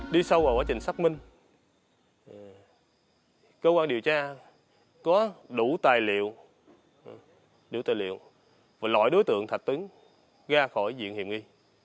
đi sâu vào quá trình xác minh cơ quan điều tra có đủ tài liệu đủ tài liệu và loại đối tượng thập tuấn ra khỏi diện hiệp nghi